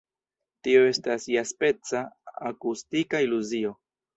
Tio estas iaspeca „akustika iluzio“.